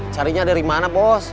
carinya dari mana bos